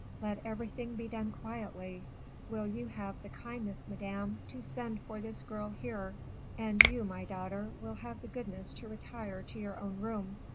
Let everything be done quietly. Will you have the kindness, Madame, to send for this girl here; and you, my daughter, will have the goodness to retire to your own room."